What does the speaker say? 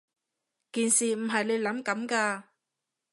件事唔係你諗噉㗎